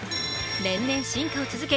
年々進化を続け